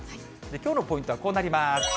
きょうのポイントはこうなります。